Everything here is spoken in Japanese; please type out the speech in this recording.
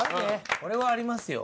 これはありますよ。